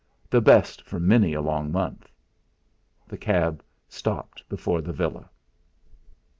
The best for many a long month! The cab stopped before the villa.